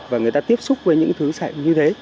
và người ta tiếp xúc với những thứ như thế